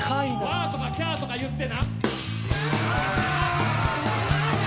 わーとかキャーとか言って。